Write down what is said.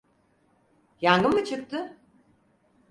Yangın mı çıktı?